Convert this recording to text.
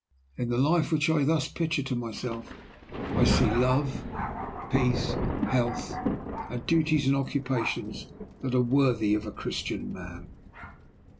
In the life which I thus picture to myself I see love, peace, health, and duties and occupations that are worthy of a Christian man.